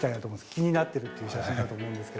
気になってるという写真だと思う